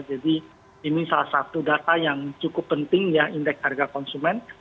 jadi ini salah satu data yang cukup penting ya indeks harga konsumen